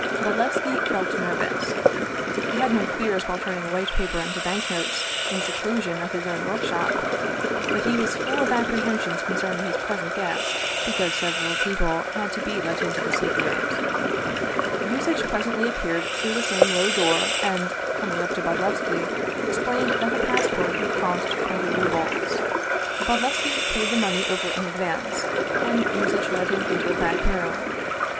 Bodlevski felt nervous. He had no fears while turning white paper into banknotes in the seclusion of his own workshop, but he was full of apprehensions concerning his present guest, because sev eral people had to be let into the secret. Yuzitch presently appeared through the same low door and, coming up to Bodlevski, explained that the passport would cost twenty rubles. Bodlevski paid the money over in advance, and Yuzitch led him into a back room.